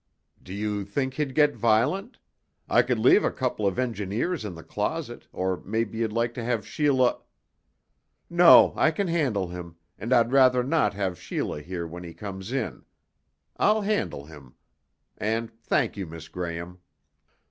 "Do you think he'd get violent? I could leave a couple of engineers in the closet, or maybe you'd like to have Sheila...." "No, I can handle him, and I'd rather not have Sheila here when he comes in. I'll handle him. And thank you, Miss Graham."